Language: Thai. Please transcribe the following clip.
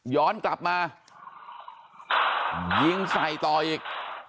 ย้อนกลับมายิงใส่ต่ออีก